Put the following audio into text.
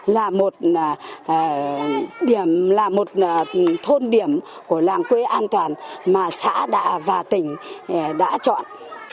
là một thôn điểm của làng quê an toàn mà xã đạ và tỉnh đã chọn